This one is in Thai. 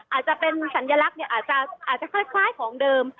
อาจจะเป็นสัญลักษณ์อาจจะคล้ายของเดิม